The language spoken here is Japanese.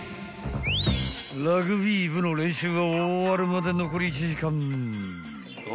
［ラグビー部の練習が終わるまで残り１時間］